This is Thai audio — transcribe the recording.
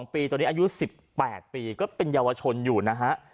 ปีตอนนี้อายุ๑๘ปีก็เป็นเยาวชนอยู่นะฮะ